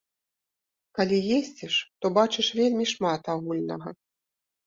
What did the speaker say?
Калі ездзіш, то бачыш вельмі шмат агульнага.